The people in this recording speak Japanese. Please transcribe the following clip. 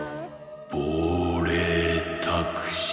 「ぼうれいタクシー」。